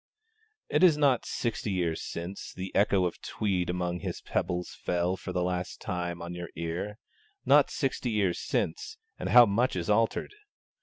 It is not 'Sixty Years Since' the echo of Tweed among his pebbles fell for the last time on your ear; not sixty years since, and how much is altered!